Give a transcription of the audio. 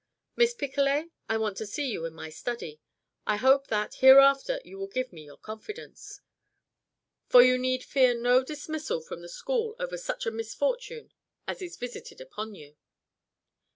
Miss Picolet, I want to see you in my study. I hope that, hereafter, you will give me your confidence. For you need fear no dismissal from the school over such a misfortune as is visited upon you."